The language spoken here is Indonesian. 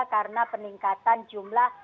karena peningkatan jumlah